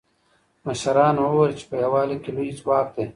مشرانو وویل چې په یووالي کې لوی ځواک دی.